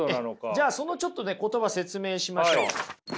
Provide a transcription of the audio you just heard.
じゃあそのちょっとね言葉説明しましょう。